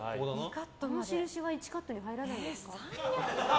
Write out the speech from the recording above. この印は１カットに入らないんですか。